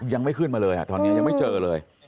ยังไม่ขึ้นมาเลยตอนนี้ยังไม่เจอเลย